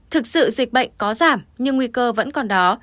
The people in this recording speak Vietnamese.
thực sự dịch bệnh có giảm nhưng nguy cơ vẫn còn đó